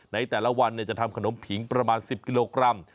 ในแต่ละวันจะทำขนมผิงประมาณ๑๐กิโลกรัม